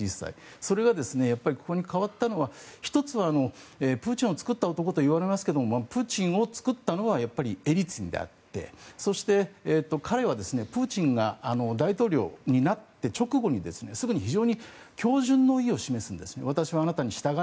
それがここで変わったのは１つはプーチンを作った男といわれますがプーチンを作ったのはやっぱりエリツィンであって彼はプーチンが大統領になった直後に恭順の意を示すんです。